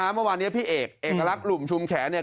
เมื่อวานนี้พี่เอกเอกลักษณ์หลุมชุมแขนเนี่ย